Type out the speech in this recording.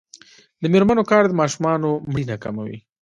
د میرمنو کار د ماشومانو مړینه کموي.